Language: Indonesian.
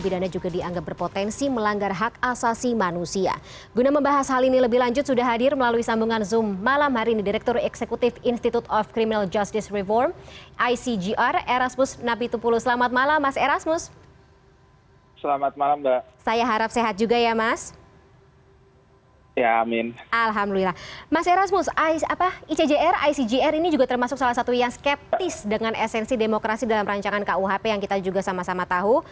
ini juga termasuk salah satu yang skeptis dengan esensi demokrasi dalam rancangan kuhp yang kita juga sama sama tahu